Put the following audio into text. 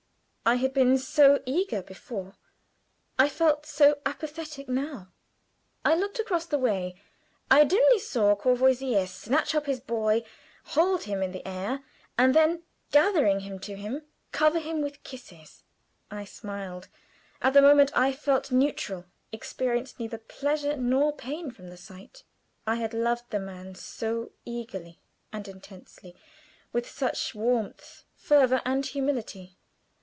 I had been so eager before; I felt so apathetic now. I looked across the way. I dimly saw Courvoisier snatch up his boy, hold him in the air, and then, gathering him to him, cover him with kisses. I smiled. At the moment I felt neutral experienced neither pleasure nor pain from the sight. I had loved the man so eagerly and intensely with such warmth, fervor, and humility.